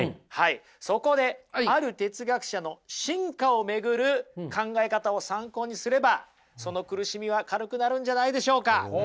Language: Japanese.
そこである哲学者の進化を巡る考え方を参考にすればその苦しみは軽くなるんじゃないんでしょうか。